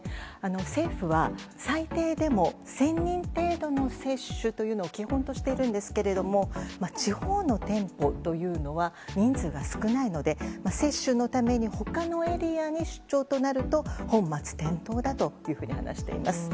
政府は、最低でも１０００人程度の接種というのを基本としているんですが地方の店舗というのは人数が少ないので接種のために他のエリアに出張となると本末転倒だと話しています。